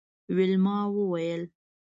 ویلما وویل